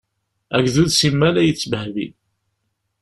Agdud simmal a yettbehbi.